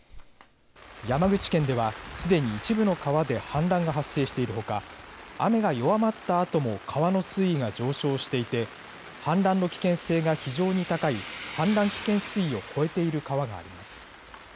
山口県では、すでに一部の川で氾濫が発生しているほか雨が弱まったあとも川の水位が上昇していて氾濫の危険性が非常に高い氾濫危険水位を超えている川があります。